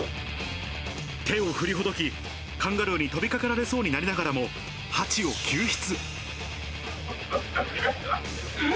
手を振りほどき、カンガルーに飛びかかられそうになりながらも、ハチを救出。